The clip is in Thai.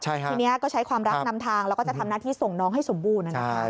ทีนี้ก็ใช้ความรักนำทางแล้วก็จะทำหน้าที่ส่งน้องให้สมบูรณ์นะครับ